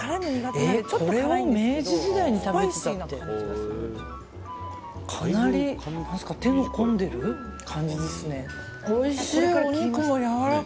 これを明治時代に食べてたってかなり手の込んでる感じですね。